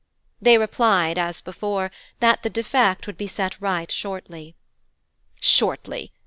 They replied, as before, that the defect would be set right shortly. 'Shortly!